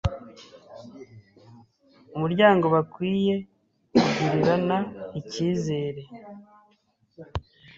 umuryango bakwiye kugirirana icyizere,